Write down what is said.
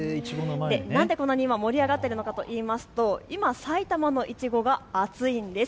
なんでこんなに今、盛り上がってるかといいますと今埼玉のいちごが熱いんです。